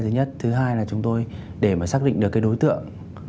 thứ nhất thứ hai là chúng tôi để mà xác định được cái đối tượng